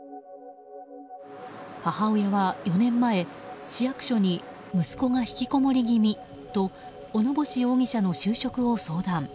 母親は４年前、市役所に息子が引きこもり気味と小野星容疑者の就職を相談。